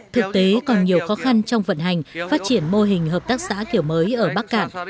thực tế còn nhiều khó khăn trong vận hành phát triển mô hình hợp tác xã kiểu mới ở bắc cạn